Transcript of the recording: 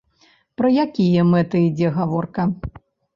Пра якія мэты ідзе гаворка?